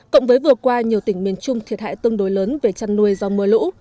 cộng với vừa qua nhiều tỉnh miền trung thiệt hại tương đối lớn về chăn nuôi do mưa lũ